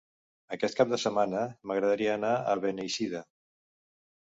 Aquest cap de setmana m'agradaria anar a Beneixida.